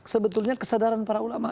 sebetulnya kesadaran para ulama